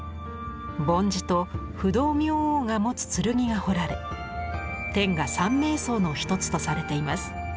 梵字と不動明王が持つ剣が彫られ天下三名槍の一つとされています。